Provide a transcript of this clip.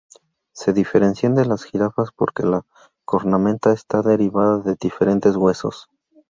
Se diferencian de las jirafas porque la cornamenta está derivada de diferentes huesos.